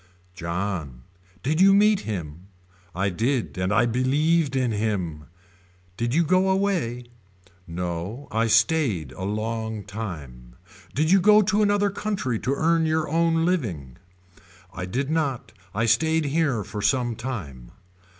John. Did you meet him. I did and I believed in him. Did you go away. No I stayed a long time. Did you go to another country to earn your own living. I did not I stayed here for some time.